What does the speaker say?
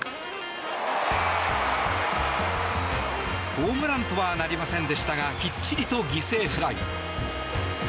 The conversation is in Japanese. ホームランとはなりませんでしたがきっちりと犠牲フライ。